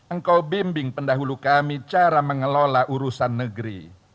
engkau bimbing pendahulu kami cara mengelola urusan negeri